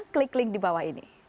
di selatan jogja